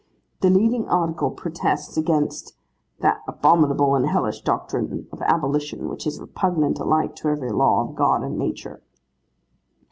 The leading article protests against 'that abominable and hellish doctrine of abolition, which is repugnant alike to every law of God and nature.